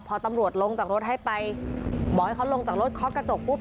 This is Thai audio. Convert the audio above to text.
พอตำรวจลงจากรถให้ไปบอกให้เขาลงจากรถเคาะกระจกปุ๊บ